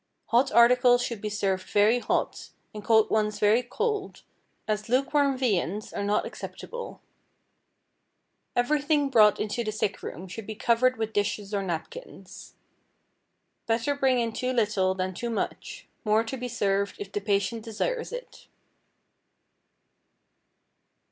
Hot articles should be served very hot, and cold ones very cold, as lukewarm viands are not acceptable. Everything brought into the sick room should be covered with dishes or napkins. Better bring in too little than too much, more to be served if the patient desires it.